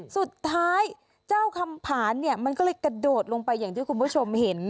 เจ้าคำผานเนี่ยมันก็เลยกระโดดลงไปอย่างที่คุณผู้ชมเห็น